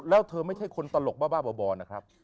แล้วเธอไม่ใช่คนตลกบ้าบ่อนะครับ